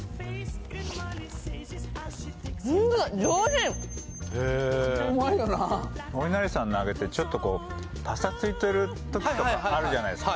ホントだへえうまいよなおいなりさんの揚げってちょっとこうパサついてる時とかあるじゃないですか